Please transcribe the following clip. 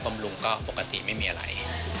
ลุงก็ปกติไม่มีอะไร